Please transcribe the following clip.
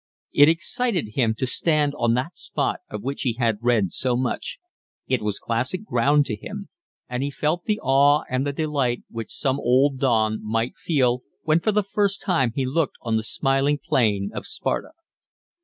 It excited him to stand on that spot of which he had read so much; it was classic ground to him; and he felt the awe and the delight which some old don might feel when for the first time he looked on the smiling plain of Sparta.